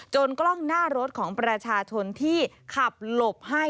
กล้องหน้ารถของประชาชนที่ขับหลบให้